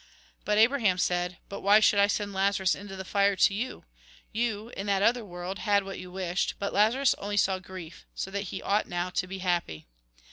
But Abraham said :' But why should I send Lazarus into the fire to you ? You, in that other world, had what you wished, but Lazarus only saw grief ; so that he ought now to be happy.